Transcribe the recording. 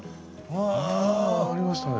ああありましたね。